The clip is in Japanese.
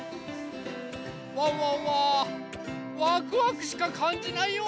ワンワンはワクワクしかかんじないよ。